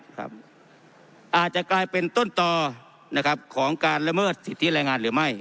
อาจจะกลายเป็นต้นต่อนะครับของการละเมิดสิทธิแรงงานหรือไม่